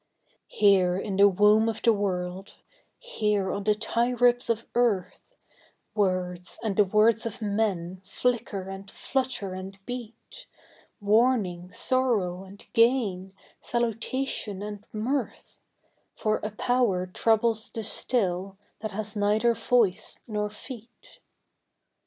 Here in the womb of the world here on the tie ribs of earth Words, and the words of men, flicker and flutter and beat Warning, sorrow and gain, salutation and mirth For a Power troubles the Still that has neither voice nor feet.